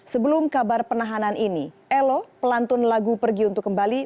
sebelum kabar penahanan ini elo pelantun lagu pergi untuk kembali